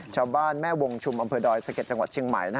ชาวบ้านแม่วงชุมอำเภอดอยสะเก็ดจังหวัดเชียงใหม่